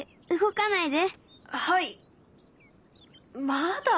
まだ？